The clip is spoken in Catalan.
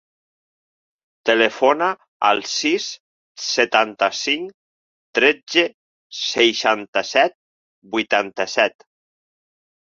Telefona al sis, setanta-cinc, tretze, seixanta-set, vuitanta-set.